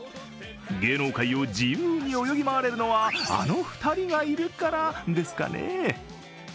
芸能界を自由に泳ぎ回れるのはあの２人がいるからですかね？